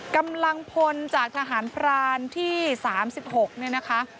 กำลังพลจากทหารพรานที่๓๖เนี่ยนะคะ